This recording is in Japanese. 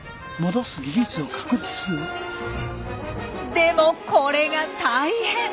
でもこれが大変。